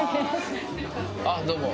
あっどうも。